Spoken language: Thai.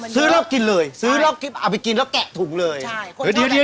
ใช่ซื้อแล้วกินเลย